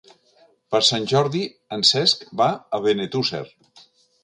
Per Sant Jordi en Cesc va a Benetússer.